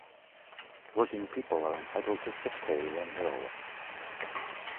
Working people are entitled to sick pay when ill.